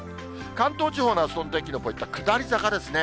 関東地方のあすのお天気のポイントは下り坂ですね。